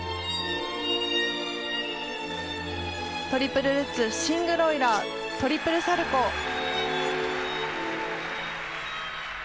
トリプルルッツシングルオイラートリプルサルコウ。